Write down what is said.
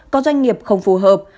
có doanh nghiệp không phù hợp